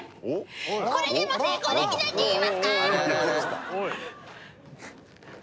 これでも成功できないって言いますか！？